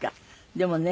でもね